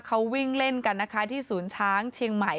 เขาวิ่งเล่นกันนะคะที่ศูนย์ช้างเชียงใหม่